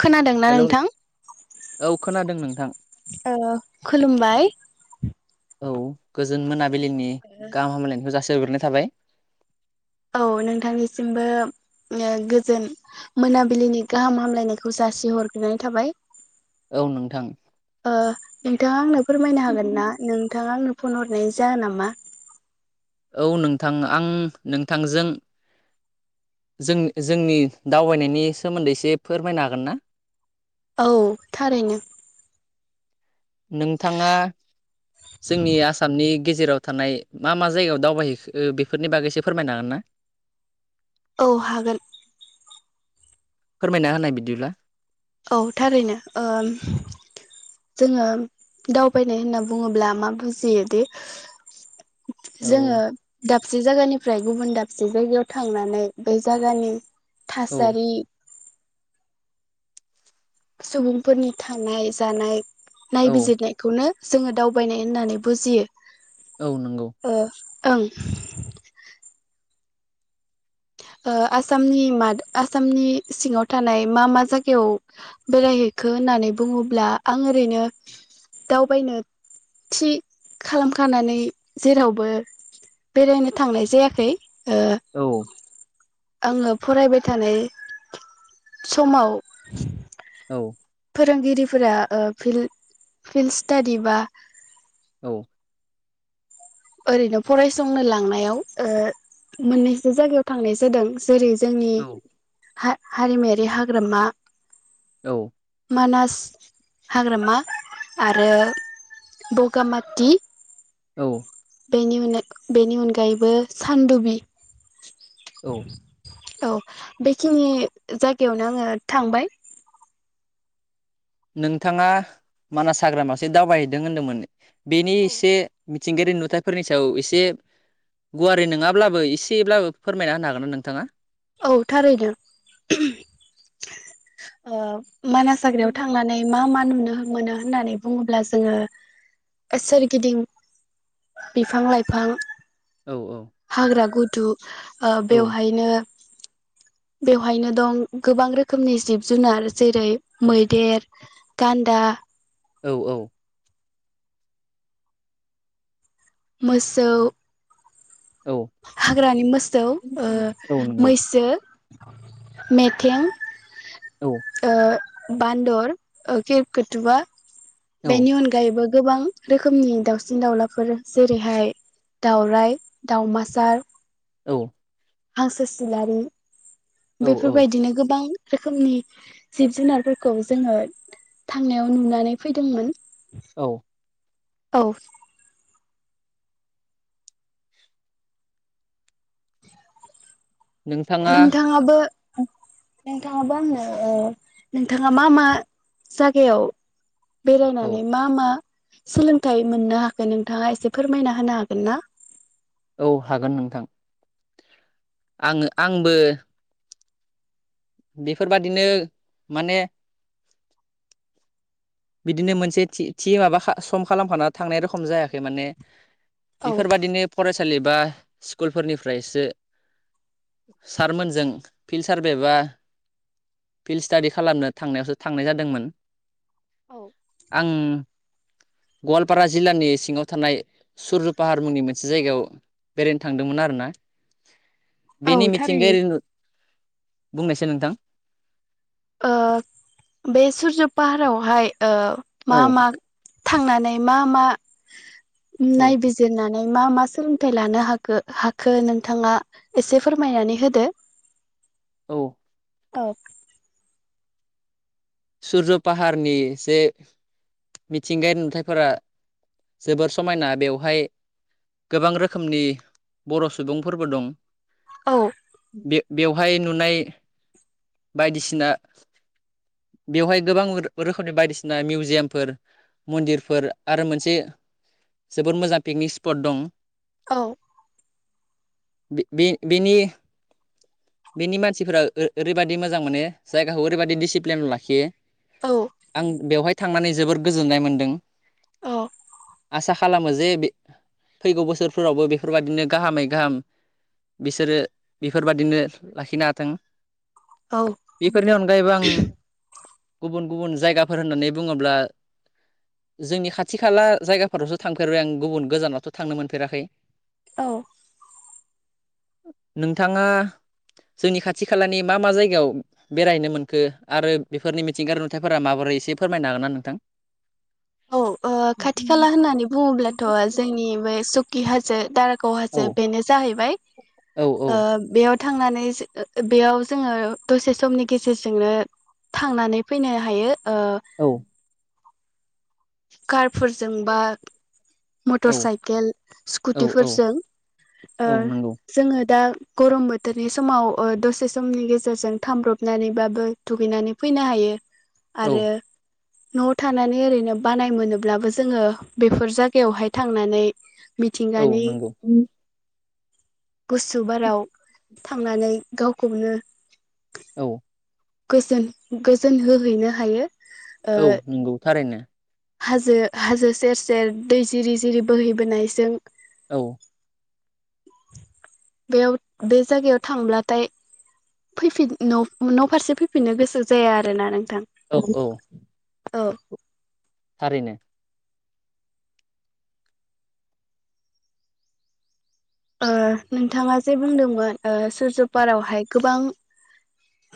खोनादोंना हेलौ नोंथां औ खोनादों नोंथां ओ खुलुमबाय औ गोजोन मोनाबिलिनि गाहाम हामलायनायखौ जासि ग्रोननाय थाबाय औ नोंथांनिसिमबो गोजोन मोनाबिलिनि गाहाम हामलायनायखौ जासिहरग्रोननाय थाबाय औ नोंथां ओ नोंथाङा आंनो फोरमायनो हागोन ना नों थांङा आंनो फन हरनायनि जाहोना मा औ नोंथां आं नोंथांजों जों जोंनि दावबायनायनि सोमोन्दै एसे फोरमायनो हागोन ना औ थारैनो नोंथाङा जोंनि आसामनि गेजेराव थानाय मा मा जायगायाव दावबायहैखो बेफोरनि बागैसो एसे फोरमायनो हागोन ना औ हागोन फोरमायना होनाय बिदिब्ला औ थारैनो ओ जोंङो दावबायनाय होनना बुंङोब्ला मा बुजियोदि औ जोंङो दाबसे जागानि फ्राय गुबुन दाबसे जायगायाव थांनानै बै जागानि औ थासारि सुबुंफोरनि थानाय जानाय औ नायबिजिरनायखौनो जोंङो दावबायनाय होननानै बुजियो औ नोंगौ ओ ओं ओ आसामनि माद आसामनि सिङाव थानाय मा मा जायगायाव बेरायहैखो होननानै बुंङोब्ला आं ओरैनो दावबायनो थि खालामखानानै जेरावबो बेरायनो थांनाय जायाखै औ आंङो फरायबाय थानाय समाव औ फोरोंगिरिफोरा ओ फिल फिल्ड स्टादि बा औ ओरैनो फरायसंनो लांनायाव ओ मोननैसो जायगायाव थांनाय जादों। जेरै जोंनि हा हारिमायारि हाग्रामा मानास हाग्रामा आरो बगामाटि औ बेनि उन बेनि अनगायैबो सानदुबि औ औ बेखिनि जायगायावनो आङो थांबाय नोंथाङा मानास हाग्रामासो दावबायहैदों होनदोंमोन। बेनि एसे मिथिंगायारि नुथायाइफोरनि सायाव एसे गुवारै नङाब्लाबो एसेब्लाबो फोरमायना होनो हागोन ना नोंथाङा? औ थारैनो [unintelligible] ओ मानास हाग्रायाव थांनानै मा-मा नुनो मोनो होननानै बुङोब्ला जोङो सोरगिदिं बिफां लाइफां औ औ हाग्रा गुद दु ओ औ बेवहायनो बेवहायनो दं गोबां रोखोमनि जिब जुनार जेरै मैदेर गान्दा औ-औ मोसौ औ हाग्रानि मोसौ ओ औ नंगौ मैसो मेथें औ ओ बान्दर खेरकुथुवा औ बेनि अनगायैबो गोबां रोखोमनि दाउसिन दाउलाफोर जेरैहाय दाउराइ दावमास सार औ हांसो सिलारि औ औ बेफोरबायदिनो गोबां रोखोमनि जिब जुनारफोरखौ जोङो थांनायाव नुनानै फैदोंमोन। औ औ नोंथाङा नोंथाङाबो नोंथाङाबो आंनो नोंथाङा मा-मा जागायाव औ बेरायनानै मा मा सोलोंथाइ मोननो हाखो नोंथाङा एसे फोरमायना होनो हागोन ना? औ हागोन नोंथां। आङो आंबो बेफोरबादिनो माने बिदिनो मोनसे थि थि माबाखा सम खालामखाना थांनाय रोखम जायाखै माने। औ बेफोरबायदिनो फरायस सालि बा स्कुलफोरनिफ्रायसो सारमोनजों फिल्ड सारभे बा फिल्ड स्टाडि खालामनो थांनायावसो थांनाय जादोंमोन। औ आं गवालपारा जिल्लानि सिङाव थानाय सुरज' पाहार मुंनि मोनसे जायगायाव बेरायनो थांदोंमोन आरोना। औ बेनि थारैनो मिथिंगायारि नु बुंनायसै नोंथां। ओ बे सुरजु पाहारावहाय ओ मा औ मा? थांनानै मा मा? औ नाय बिजिरना मा मा सोलोंथाइ लानो हाखो हाखो नोंथाङा एसे फोरमायनानै होदो। औ। अक। सुरज' पाहारनि जे मिथिंगायारि नुथायाइफोरा जोबोर समायना बेवहाय गोबां रोखोमनि बर' सुबुंफोरबो दं। औ बे बेवहाय नुनाय बायदिसिना बेवहाय गोबां रोखोमनि बायदिसिना मिउजियामफोर मन्दिरफोर आरो मोनसे जोबोद मोजां पिकनिक स्पट दं। औ। बि बे बिनि। बेनि मानसिफोरा ओरै ओरैबायदि मोजां मानो जायगाखौ ओरैबायाददि डिसिप्लिनाव लाखियो। औ आं बेवहाय थांनानै जोबोर गोजोननाय मोनदों आसा खालामो जे बे फैगौ बोसोरफोरावबो बेफोरबायदिनो गाहामै गाहाम बिसोरो बेफोरबादिनो लाखिनो हाथों। औ बेफोरनि अनगायैबो आं गुबुन गुबुन जायगाफोर होननानै बुङोब्ला जोंनि खाथि खाला जायगाफोरावसो थांफेरबाय आं गुबुन गोजानावथ' थांनो मोनफेराखै। औ। नोंथाङा जोंनि खाथि खालानि मा मा जायगायाव बेरायनो मोनखो आरो बेफोरनि मिथिंगायारि नुथायफोरा माबोरै एसे फोरमायनो हागोन ना नोंथां? औ ओ खाथि खाला होननानै बुङोब्लाथ' जोंनि बै सुकि हा जो दार खौ औ हाजो बेनो जाहैबाय। औ ओ बेयाव थांनानै बेयाव जोङो दसे समनि गेजेरजोंनो थांनानै फैनो हायो। ओ। औ खारब। फोरजों बा मटर औ साइकेल औ औ स्कुटिफोरजों औ नंगौ जोङो दा। गरम बोथोरनि समाव दसे समनि गेजेरजों थामब्रबनानैबाबो दुगैनानै फैनो हायो। औ आरो। न'आव थानानै ओरैनो। बानाय मोनोब्लाबो जोङो बेफोर जायगायावहाय थांनानै। औ मिथिंगानि नंगौ। गुसु बाराव थांनानै गावखौनो। औ। गोजोन गोजोन होहैनो हायो। ओ औ नंगौ थारैनो। हाजो हाजो सेर सेर दै जिरि जिरि बोहैबोनायजों। औ। बेयाव बे जायगायाव थांब्लाथाय फैफिन न' फारसे। फैफिननो गोसो जाया आरोना नों। औ औ। थारैनो। ओ नोंथाङा जे बुंदोंमोन ओ सुजुपारायावहाय गोबां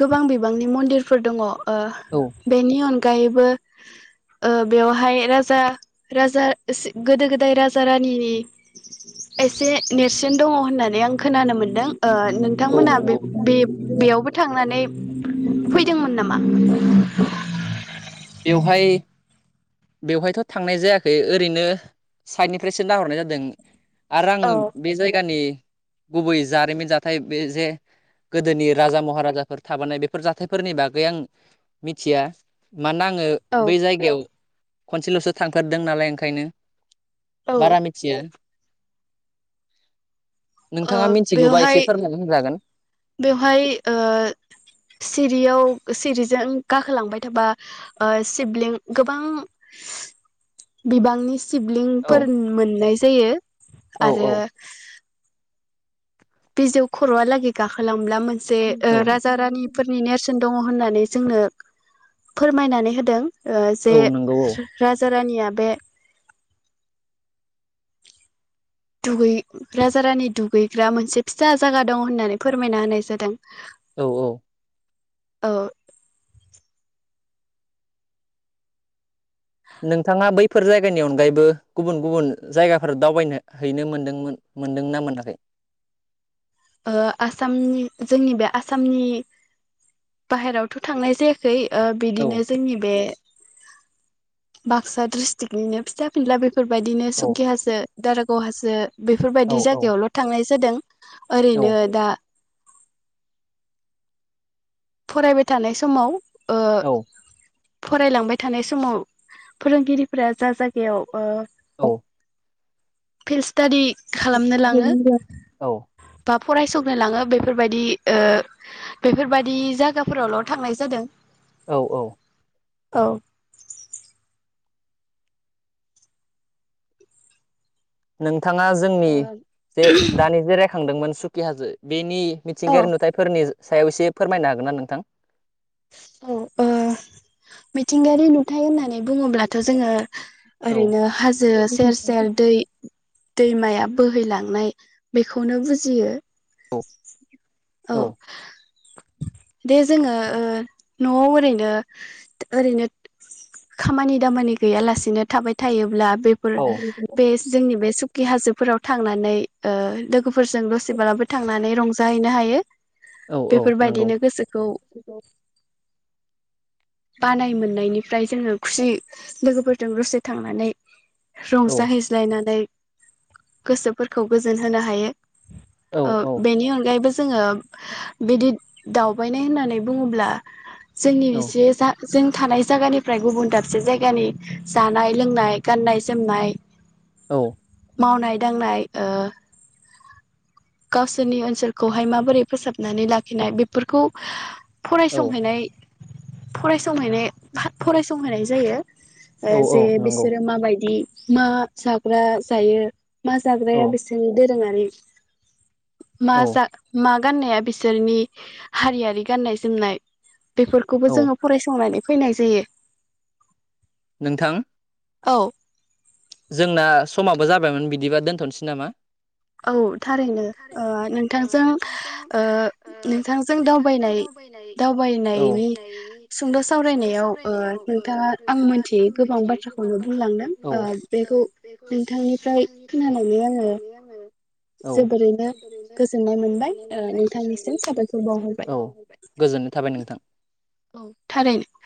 गोबां बिबांनि मन्दिरफोर दङ। औ ओ बेनि अन। अगायैबो बेवहाय राजा राजा गोदो गोदाय राजा रानिनि एसे। नेरसोन दङ होननानै आं खोनानो मोन्दों। औ नोंथांमोना बे नंगौ बे बेयावबो थांनानै। फैदोंमोन नामा। बेवहाय बेवहायथ' थांनाय जायाखै ओरैनो साइडनिफ्रायसो नाहरनाय जादों। आरो आं औ बे जायगानि। गुबै जारिमिन जाथाय बे जे गोदोनि राजा महाराजाफोर थाबोनाय बेफोर जाथायफोरनि बागै आं मिथिया। मानोना आङो औ बै जायगायाव। खनसेल'सो थांफेरदों नालाय ओंखायनो। औ बारा ओ मिथियो। नोंथाङा मिथिगौबा बेवहाय एसे फोरमायनानै होनजागोन। बेवहाय ओ सिरियाव सिरिजों गाखोलांबाय थाबा सिबलिं गोबां बिबांनि। औ सिबलिंफोर मोननाय जायो औ आरो। औ बिजौ खर'आ लागै गाखोलां मोनसे ओ औ राजा रानिफोरननि नेरसोन। दङ' होननानै जोंनो फोरमायनानै होदों। ओ जे औ नंगौ राजा रानिया बे दुगै राजा रानि दुगैग्रा मोनसे फिसा जायगा दं होननानै फोरमायना होनाय जादों। औ औ ओ नोंथाङा बैफोर जायगानि अनगायैबो गुबुन गुबुन जायगाफोर दावबायनो हैनो मोनदोंमोन मोनदोंना मोनाखै? ओ आसामनि जोंनि बे आसामनि बाहेरावथ' थांनाय जायाखै। ओ औ बिदिनो जोंनि बे बाक्सा ड्रिस्टिक्टनिनो फिसा फिला बे फोरबायदिनो औ सुकि हाजो दारागाव हाजो औ बेफोरबादि औ जागायावल' थांनाय जादों। औ इनो दा फरायबाय थानाय समाव ओ औ फरायलांबाय थानाय समाव फोरोंगिरिफोरा जा जागायाव ओ औ फिल सिथाडि खालामनो लाङो औ बा फरायसंनो लाङो बेफोरबादि ओ बेफोरबादि जागाफोरावल' थांनाय जादों। औ औ औ नों थाङा जोंनि ओ जे दानि जे रायखांदोंमोन। सुकि हाजो बेनि औ मिथिंगायारि नुथायफोरनि सायाव एसे फोरमायनो हागोन ना नोंथां? औ ओ मिथिंगायारि नुथाय होननानै बुङोब्लाथ' जोङो औ ओरैनो हाजो सेर सेर दै दैमाया बोहैलांनाय बेखौनो बुजियो। औ औ दे जोङो न'आव ओरैनो ओरैनो खामानि दामानि गैयालासेनो थाबाय थायोब्ला बेफोर औ बे जोंनि बे सु खि हाजोफोराव थांनानै ओ लो गोफोरजों दसेब्लाबो थांनानै रंजाहैनो हा यो। औ औ नंगौ बेफोरबायदिनो गोसोखौ बानाय मोननायनिफ्राय जोङो खुसि लोगोफोरजों दसे थांनानै औ रंजाहैज्लायनानै गोसोफोरखौ गोजोन होनो हायो औ औ ओ बेनि अनगायैबो जोङो बिदि दावबायनाय होननानै बुंङोब्ला जोंनि औ बिसे जों थानाय जायगानिफ्राय गुबुन दाबसे जायगानि जानाय लोंनाय गाननाय जोमनाय औ मावनाय दांनाय ओ गावसोरनि ओनसोलखौहाय माबोरै फोसाबनानै लाखिनाय बेफोरखौ औ फरायसंहैनाय फरायसंहैनाय फरायसंहैनाय जायो औ ओ औ जे नंगौ बिसोरो माबायदि मा जाग्रा जायो मा औ जाग्राया बेसेनदों जोंहानि औ माजा मा गाननाया बिसोरनि हारियारि गाननाय जोमनाय बेफोरखौबो औ जोङो फैनाय जायो नोंथां औ जोंना समाबो जाबायमोन बिदिबा दोनथनोसै नामा औ थारैनो ओ नोंथांजों ओ नोंथांजों दावबायनाय दावबायनायनि सुंद' सावरायनायाव ओ नोंथाङा आं मोनथियै गोबां बाथ्राखौनो बुंलांदों ओ ओ बेखौ बेखौ नोंथांनिफ्राय नोंथांनिफ्राय खोनानानै आङो खोनोनानानै जोबोरैनो गोजोननाय मोनबाय ओ नोंथांनिसिम आंङो औै साबायखर बावहरबाय गोजोननाय थाबाय नोंथां औ थारैनो